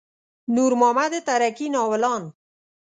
نور محمد تره کي ناولان.